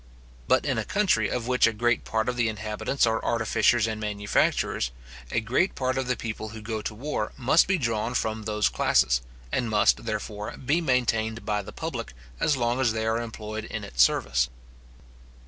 But in a country, of which a great part of the inhabitants are artificers and manufacturers, a great part of the people who go to war must be drawn from those classes, and must, therefore, be maintained by the public as long as they are employed in its service.